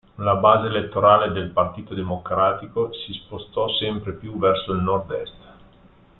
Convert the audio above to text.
La base elettorale del Partito Democratico si spostò sempre più verso il nord-est.